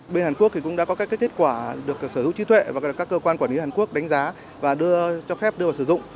bên hàn quốc cũng đã có các kết quả được sở hữu trí tuệ và các cơ quan quản lý hàn quốc đánh giá và cho phép đưa vào sử dụng